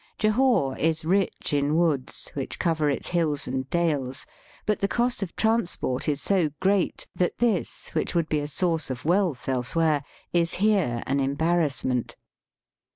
Jahore is rich in woods, which cover its hills and dales, but the cost of transport is so great that this, which would be a source of wealth elsewhere, is here an embarrassment.